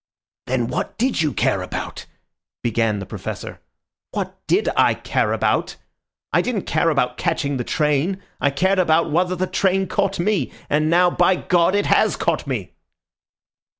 "Then what did you care about?" began the Professor. "What did I care about? I didn't care about catching the train; I cared about whether the train caught me, and now, by God! it has caught me."